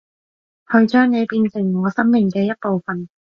去將你變成我生命嘅一部份